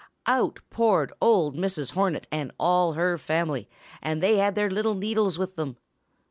Out poured old Mrs. Hornet and all her family, and they had their little needles with them.